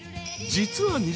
［実は］